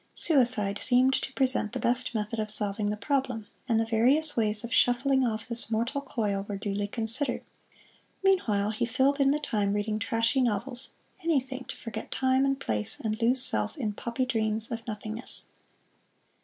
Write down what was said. Suicide seemed to present the best method of solving the problem, and the various ways of shuffling off this mortal coil were duly considered. Meanwhile he filled in the time reading trashy novels anything to forget time and place, and lose self in poppy dreams of nothingness.